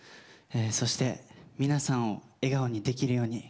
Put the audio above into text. そして、皆さんを笑顔にできるように。